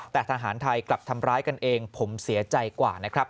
แต่ทหารไทยกลับทำร้ายกันเองผมเสียใจกว่านะครับ